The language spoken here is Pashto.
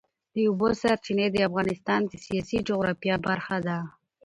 د اوبو سرچینې د افغانستان د سیاسي جغرافیه برخه ده.